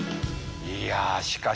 いやしかし。